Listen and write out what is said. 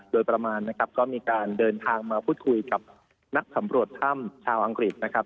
โดยประมาณนะครับก็มีการเดินทางมาพูดคุยกับนักสำรวจถ้ำชาวอังกฤษนะครับ